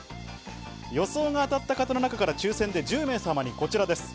予想が当たった方の中から抽選で１０名様にこちらです。